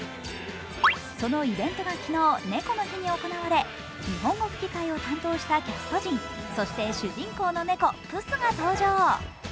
そのイベントが昨日猫の日に行われ日本語吹き替えを担当したキャスト陣、そして主人公の猫・プスが登場。